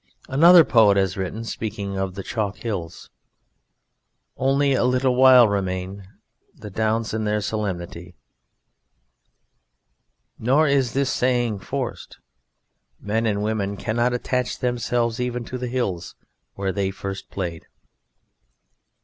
Another poet has written, speaking of the chalk hills: Only a little while remain The Downs in their solemnity. Nor is this saying forced. Men and women cannot attach themselves even to the hills where they first played.